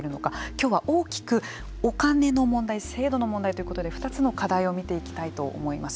今日は大きくお金の問題制度の問題ということで２つの課題を見ていきたいと思います。